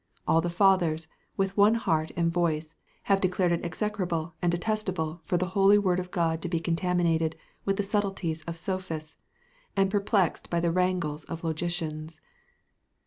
All the fathers, with one heart and voice, have declared it execrable and detestable for the holy word of God to be contaminated with the subtleties of sophists, and perplexed by the wrangles of logicians.